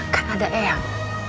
kan ada ayang